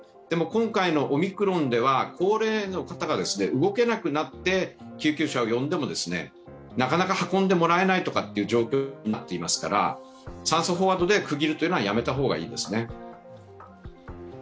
でも、今回のオミクロンでは高齢の方が動けなくなって救急車を呼んでもなかなか運んでもらえないという状況になっていますから、酸素飽和度で区切るというのはやめた方がいいですね。